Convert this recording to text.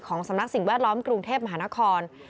สำนักสิ่งแวดล้อมกรุงเทพมหานคร